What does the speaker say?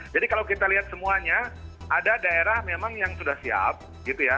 jadi kalau kita lihat semuanya ada daerah memang yang sudah siap gitu ya